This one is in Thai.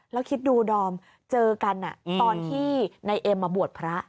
แล้วคิดดูดอมเจอกันตอนที่นายเอ็มมาบวชพระ